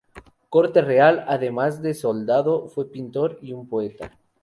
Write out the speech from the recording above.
Corte-Real, además de soldado, fue un pintor y un poeta.